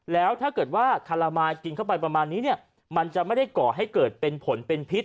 แล้วถ้าเกิดว่าคารามายกินเข้าไปประมาณนี้เนี่ยมันจะไม่ได้ก่อให้เกิดเป็นผลเป็นพิษ